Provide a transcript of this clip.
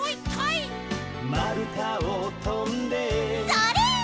それ！